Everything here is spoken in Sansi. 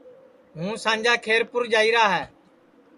ہوں سانجا کھیرپُور جائیرا ہے